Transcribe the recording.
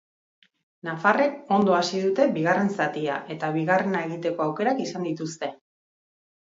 Nafarrek ondo hasi dute bigarren zatia eta bigarrena egiteko aukerak izan dituzte.